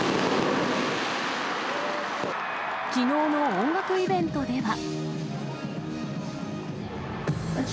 きのうの音楽イベントでは。